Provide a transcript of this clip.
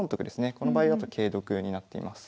この場合だと桂得になっています。